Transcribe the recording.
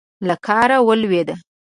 له کاره ولوېده.